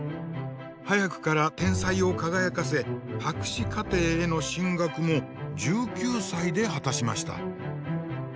早くから天才を輝かせ博士課程への進学も１９歳で果たしました。